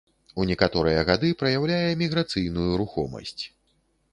У некаторыя гады праяўляе міграцыйную рухомасць.